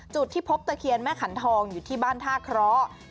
จุดที่พบตะเคียนแม่ขันทองอยู่ที่บ้านท่าเคราะห์